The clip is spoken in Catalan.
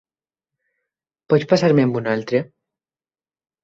Pots passar-me amb un altre?